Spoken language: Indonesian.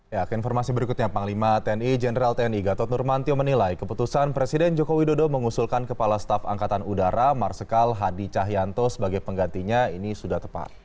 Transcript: ya ke informasi berikutnya panglima tni jenderal tni gatot nurmantio menilai keputusan presiden joko widodo mengusulkan kepala staf angkatan udara marsikal hadi cahyanto sebagai penggantinya ini sudah tepat